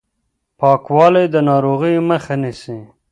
پاکوالی د ناروغیو مخه نیسي